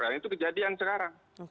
dan itu kejadian sekarang